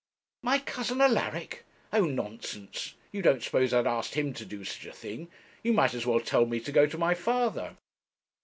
'My cousin Alaric! Oh, nonsense! you don't suppose I'd ask him to do such a thing? You might as well tell me to go to my father.'